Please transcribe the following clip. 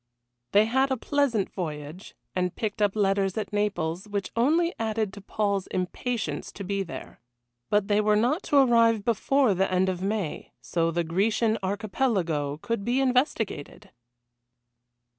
They had a pleasant voyage, and picked up letters at Naples, which only added to Paul's impatience to be there. But they were not to arrive before the end of May, so the Grecian Archipelago could be investigated.